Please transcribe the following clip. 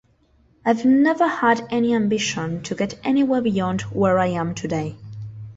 I've never had any ambition to get anywhere beyond where I am today.